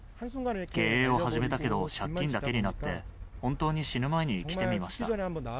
経営を始めたけど借金だけになって、本当に死ぬ前に来てみました。